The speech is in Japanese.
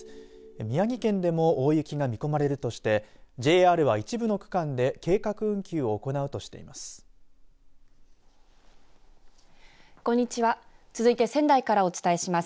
宮城県でも大雪が見込まれるとしてＪＲは一部の区間で計画運休を行うとしています。